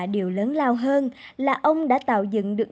điều lớn lao hơn là ông đã tạo dựng được